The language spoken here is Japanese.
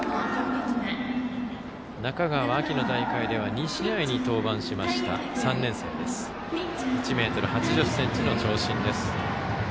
中川は秋の大会では２試合に登板しました３年生、１ｍ８０ｃｍの長身です。